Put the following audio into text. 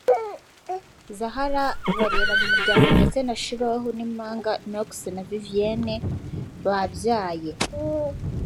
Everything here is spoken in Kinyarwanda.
Zahara barera mu muryango ndetse na Shiloh n’impanga Knox na Vivienne babyaye